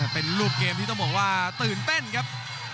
เป็นรูปเกมที่ต้องบอกว่าตื่นเต้นครับ